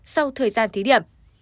sau thời gian thí điểm